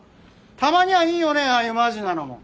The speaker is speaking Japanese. たまにはいいよねああいうマジなのも。